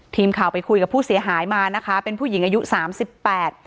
ทีมข่าวไปคุยกับผู้เสียหายมานะคะเป็นผู้หญิงอายุสามสิบแปด